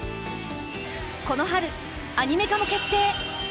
この春アニメ化も決定！